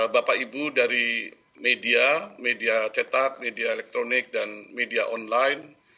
bapak ibu dari media media cetak media elektronik dan media online